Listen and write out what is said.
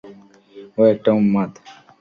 ও একটা উন্মাদ।